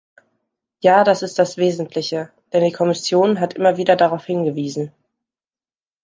Ja, das ist das Wesentliche, denn die Kommission hat immer wieder darauf hingewiesen.